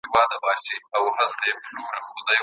هغې خپله د بریا پټه لاره ورته روښانه کړه.